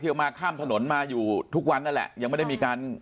เทียวมาข้ามจะรมมาอยู่ทุกวันแล้วแหละ